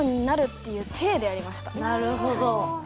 なるほど。